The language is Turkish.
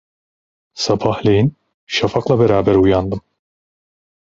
Sabahleyin şafakla beraber uyandım.